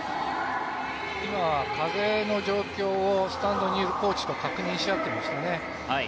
今、風の状況をスタンドにいるコーチと確認し合ってましたね。